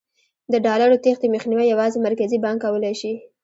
د ډالرو تېښتې مخنیوی یوازې مرکزي بانک کولای شي.